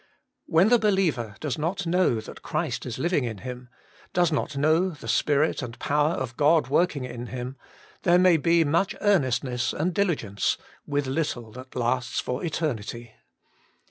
When the believer does not know that Christ is living in him, does not know the Spirit and power of God working in him, there may be much earnestness and dili gence, with little that lasts for eternity.